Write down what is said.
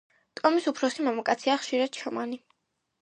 ტომის უფროსი მამაკაცია, ხშირად შამანი.